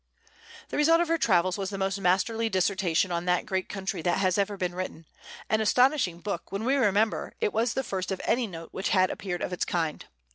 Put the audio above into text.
The result of her travels was the most masterly dissertation on that great country that has ever been written, an astonishing book, when we remember it was the first of any note which had appeared of its kind.